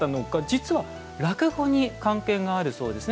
実は、落語に関係があるそうです。